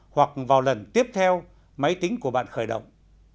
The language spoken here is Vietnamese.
hoặc vào lần tiếp theo máy tính của bạn khởi động